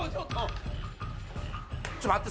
ちょっと待って。